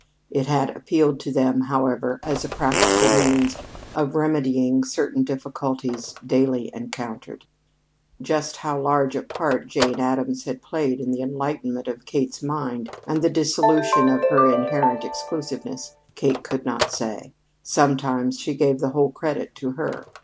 It had appealed to them, however, as a practical means of remedying certain difficulties daily encountered. Just how large a part Jane Addams had played in the enlightenment of Kate's mind and the dissolution of her inherent exclusiveness, Kate could not say. Sometimes she gave the whole credit to her.